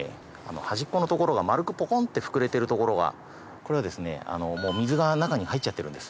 端っこの所が丸くぽこんって膨れている所はこれはですね水が中に入っちゃってるんです。